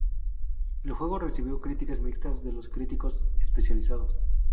El juego recibió críticas mixtas de los críticos especializados.